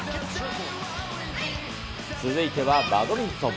続いてはバドミントン。